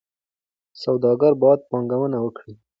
سوداګر باید پانګونه وکړي.